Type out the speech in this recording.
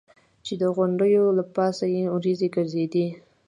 چې د غونډیو له پاسه یې ورېځې ګرځېدې.